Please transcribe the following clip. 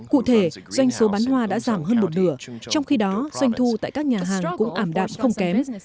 cụ thể doanh số bán hoa đã giảm hơn một nửa trong khi đó doanh thu tại các nhà hàng cũng ảm đạm không kém